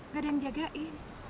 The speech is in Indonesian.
gak ada yang jagain